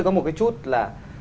có một cái chút là